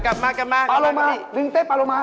กลับมากยังไม่รึงเต้ปาลูมา